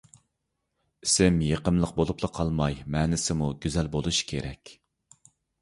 ئىسىم يېقىملىق بولۇپلا قالماي، مەنىسىمۇ گۈزەل بولۇشى كېرەك.